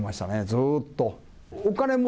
ずっと。